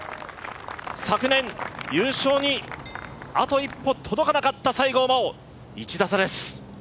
昨年、優勝にあと一歩届かなかった西郷真央、１打差です。